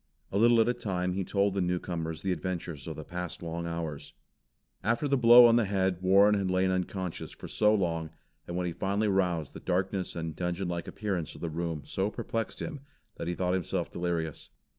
A little at a time he told the newcomers the adventures of the past long hours. After the blow on the head Warren had lain unconscious for so long, and when he finally roused the darkness and dungeon like appearance of the room so perplexed him, that he thought himself delirious.